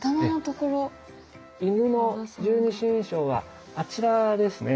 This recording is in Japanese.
戌の十二神将はあちらですね。